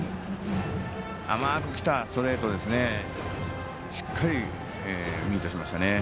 甘くきたストレートですねしっかりミートしましたね。